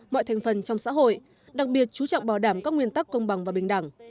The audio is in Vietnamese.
mọi thành phần trong xã hội đặc biệt chú trọng bảo đảm các nguyên tắc công bằng và bình đẳng